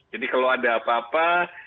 jadi kalau ada apa apa